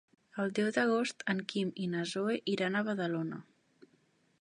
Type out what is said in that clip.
El deu d'agost en Quim i na Zoè iran a Badalona.